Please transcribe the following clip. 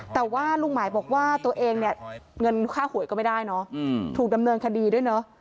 แต่ว่าลุงหมายบอกว่าตัวเองเนี่ยเงินค่าหวยก็ไม่ได้เนอะถูกดำเนินคดีด้วยเนอะ